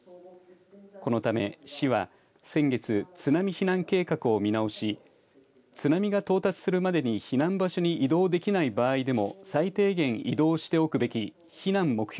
このため市は先月、津波避難計画を見直し津波が到達するまでに避難場所に移動できない場合でも最低限移動しておくべき避難目標